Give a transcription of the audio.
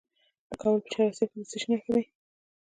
د کابل په چهار اسیاب کې د څه شي نښې دي؟